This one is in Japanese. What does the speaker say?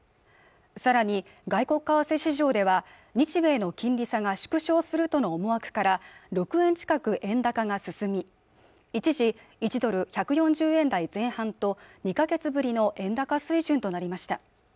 さらに外国為替市場では日米の金利差が縮小するとの思惑から６円近く円高が進み一時１ドル１４０円台前半と２か月ぶりの円高水準となりました